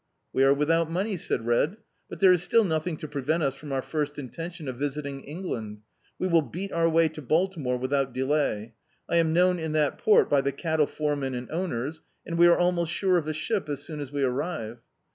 "We are without money," said Red, "but there is still nothing to prevent us from our first intention of visiting England. We wilt beat our way to Baltimore without delay. I am known in that port by the catde foremen and owners, and we are almost sure of a ship as soon as we arrive."